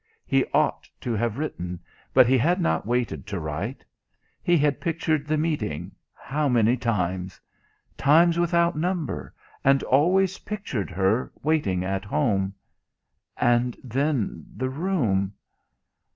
He ought to have written, but he had not waited to write. He had pictured the meeting how many times? Times without number and always pictured her waiting at home. And then the room?